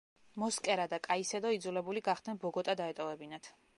მოსკერა და კაისედო იძულებული გახდნენ ბოგოტა დაეტოვებინათ.